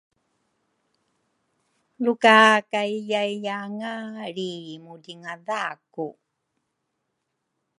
luka kaiyaiyanga lri mudringadha ku